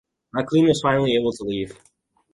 Maclean was finally able to leave.